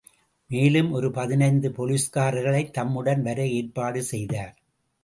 மேலும் ஒரு பதினைந்து போலீஸ்காரர்களைத் தம்முடன் வர ஏற்பாடு செய்தார்.